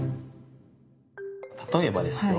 例えばですよ。